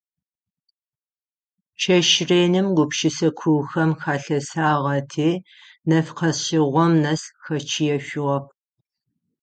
Чэщ реным гупшысэ куухэм халъэсагъэти нэф къэшъыгъом нэс хэчъыешъугъэп.